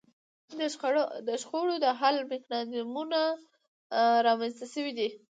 د شخړو د حل میکانیزمونه رامنځته شوي دي